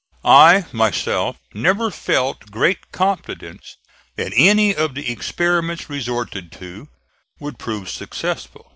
I, myself, never felt great confidence that any of the experiments resorted to would prove successful.